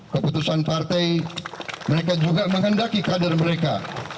keputusan partai mereka juga menghendaki kader mereka